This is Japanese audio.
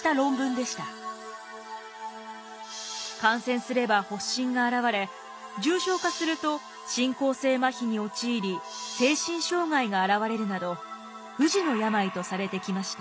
感染すれば発疹が現れ重症化すると進行性まひに陥り精神障害が現れるなど不治の病とされてきました。